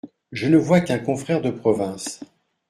Je ne vois qu’un confrère de province…